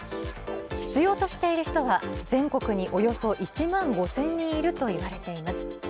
必要としている人は全国におよそ１万５０００人いるといわれています。